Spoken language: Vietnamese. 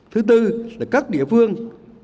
thứ tư là các địa phương